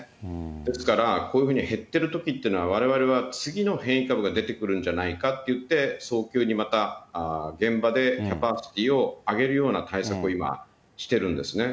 ですから、こういうふうに減っているときっていうのは、われわれは次の変異株が出てくるんじゃないかっていって、早急にまた現場でキャパシティーを上げるような対策を今、しているんですね。